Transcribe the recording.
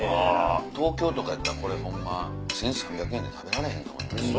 東京とかやったらこれホンマ１３００円で食べられへんと思います。